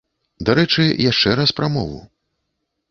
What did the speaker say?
Дарэчы, яшчэ раз пра мову.